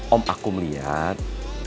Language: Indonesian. om akum liat